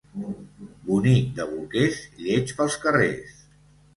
Bonic de bolquers, lleig pels carrers.